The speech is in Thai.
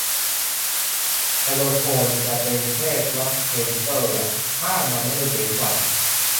ไซโลโฟนจะเป็นแค่กล็อคเคนสปิลแหละ ถ้ามันไม่ได้เจ๋งกว่า